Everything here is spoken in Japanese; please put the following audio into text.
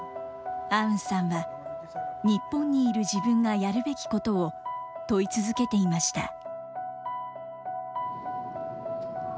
アウンさんは、日本にいる自分がやるべきことを問い続けていました。